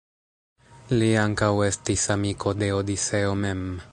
Li ankaŭ estis amiko de Odiseo mem.